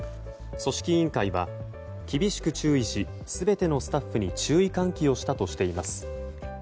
組織委員会は、厳しく注意し全てのスタッフに注意喚起をしたとしています。